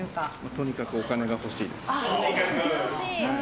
とにかくお金が欲しいです。